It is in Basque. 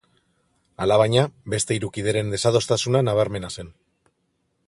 Alabaina, beste hiru kideren desadostasuna nabarmena zen.